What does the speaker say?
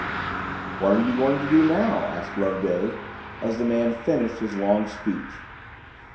"What are you going to do now?" asked Loveday, as the man finished his long speech.